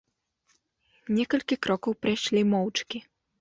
Некалькі крокаў прайшлі моўчкі.